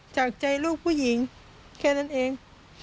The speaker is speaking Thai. จากใจลูกผู้หญิงแค่นั้นเอง